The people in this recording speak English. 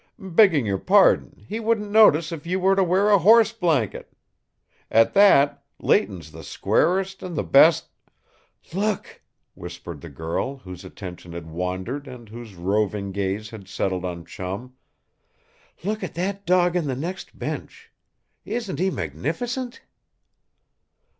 Begging your pardon, he wouldn't notice if you was to wear a horse blanket. At that, Leighton's the squarest and the best " "Look!" whispered the girl, whose attention had wandered and whose roving gaze had settled on Chum. "Look at that dog in the next bench. Isn't he magnificent?"